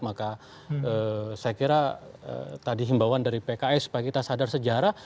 maka saya kira tadi himbauan dari pks supaya kita sadar sejarah